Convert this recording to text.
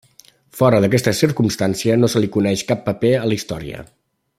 Fora d'aquesta circumstància no se li coneix cap paper a la història.